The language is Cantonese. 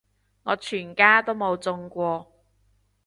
我全家都冇中過